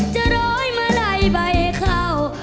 จะร้อยเมื่อไหร่ใบเข้า